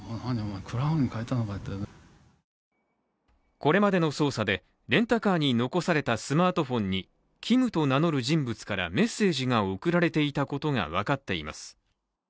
これまでの捜査でレンタカーに残されたスマートフォンにＫｉｍと名乗る人物からメッセージが送られていたことが分かっています。